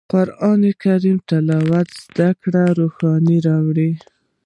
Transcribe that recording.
قرآن کریم تلاوت د زړه روښنايي راولي